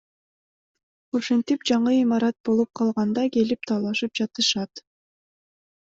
Ушинтип жаңы имарат болуп калганда келип талашып жатышат.